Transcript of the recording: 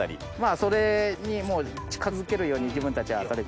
それに近づけるように自分たちは取り組んでる。